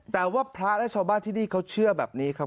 แต่ว่าพระและชาวบ้านที่นี่เขาเชื่อแบบนี้ครับ